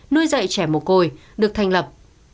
nuôi dạy trẻ mồ côi được thành lập